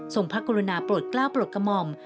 ส่งพระกรุณาปลดกล้าวปลดกมอม